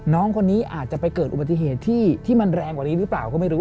น้องคนนี้อาจจะไปเกิดอุบัติเหตุที่มันแรงกว่านี้หรือเปล่าก็ไม่รู้